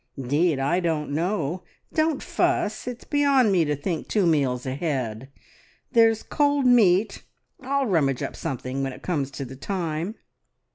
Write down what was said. "'Deed I don't know. Don't fuss! It's beyond me to think two meals ahead. There's cold meat. ... I'll rummage up something when it comes to the time."